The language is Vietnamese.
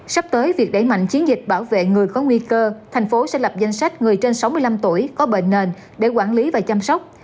sắp tới việc đẩy mạnh chiến dịch bảo vệ người có nguy cơ thành phố sẽ lập danh sách người trên sáu mươi năm tuổi có bệnh nền để quản lý và chăm sóc